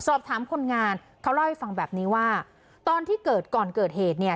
คนงานเขาเล่าให้ฟังแบบนี้ว่าตอนที่เกิดก่อนเกิดเหตุเนี่ย